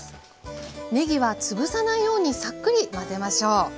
ねぎは潰さないようにサックリ混ぜましょう。